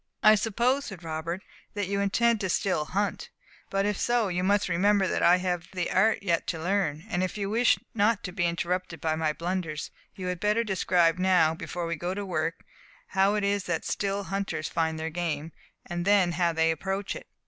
"I suppose," said Robert, "that you intend to still hunt. But if so, you must remember that I have the art yet to learn; and if you wish not to be interrupted by my blunders, you had better describe now, before we go to work, how it is that still hunters find their game, and then how they approach it."